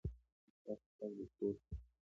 ایا ستاسو غږ به پورته شي؟